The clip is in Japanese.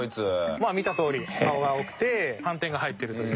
まあ見たとおり顔が青くて斑点が入ってるという。